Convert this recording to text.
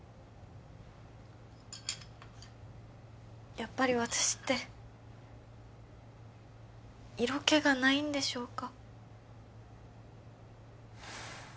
やっぱり私って色気がないんでしょうか